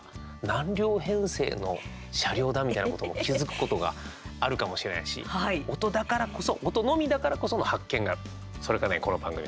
何両編成の車両だみたいなことも気付くことがあるかもしれないし音だからこそ音のみだからこその発見があるそれがね、この番組なんですよ。